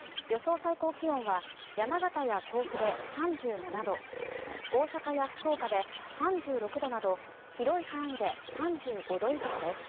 最高気温は山形や甲府で３７度大阪や福岡で３６度など広い範囲で３５度以上です。